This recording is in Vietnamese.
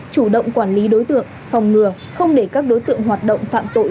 chủ động quản lý đối tượng phòng ngừa không để các đối tượng hoạt động phạm tội